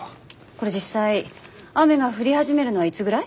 これ実際雨が降り始めるのはいつぐらい？